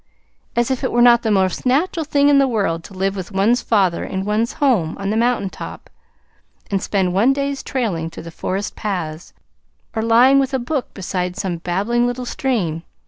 As if it were not the most natural thing in the world to live with one's father in one's home on the mountain top, and spend one's days trailing through the forest paths, or lying with a book beside some babbling little stream!